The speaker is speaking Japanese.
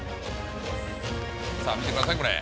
さあ、見てください、これ。